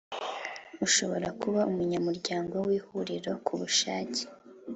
ushobora kuba umunyamuryango w Ihuriro kubushake